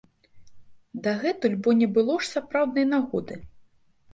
Дагэтуль бо не было ж сапраўднай нагоды.